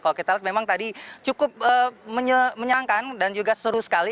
kalau kita lihat memang tadi cukup menyenangkan dan juga seru sekali